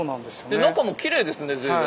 で中もきれいですね随分。